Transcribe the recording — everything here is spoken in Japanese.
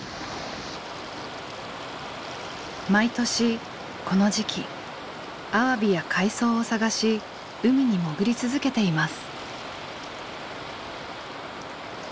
毎年この時期アワビや海藻を探し海に潜り続けています。